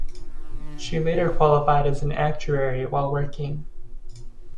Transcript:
She later qualified as an actuary while working.